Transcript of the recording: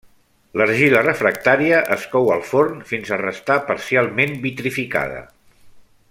L'argila refractària es cou al forn fins a restar parcialment vitrificada.